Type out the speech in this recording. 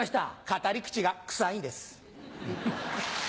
語り口がくさいんです。